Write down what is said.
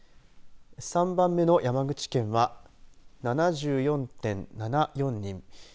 ３番目の山口県は７４．７４人。